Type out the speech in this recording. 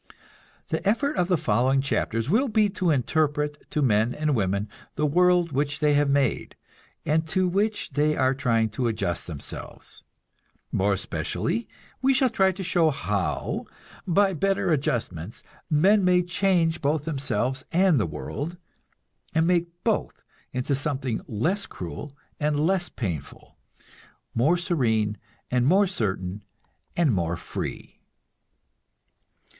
The effort of the following chapters will be to interpret to men and women the world which they have made, and to which they are trying to adjust themselves. More especially we shall try to show how, by better adjustments, men may change both themselves and the world, and make both into something less cruel and less painful, more serene and more certain and more free.